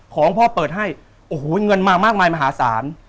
ของพ่อเปิดให้โอ้โหเงินมามากมายมหาศาล